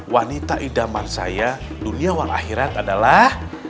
wanita idaman saya duniawan akhirat adalah